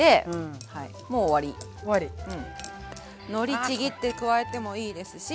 りちぎって加えてもいいですし